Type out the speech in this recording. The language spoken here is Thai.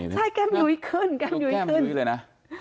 ใช่แก้มยุ้ยขึ้นตรงแก้มยุ้ยเลยนะ